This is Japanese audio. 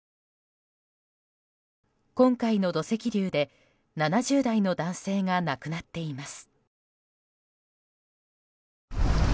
今回の土石流で、７０代の男性が亡くなっています。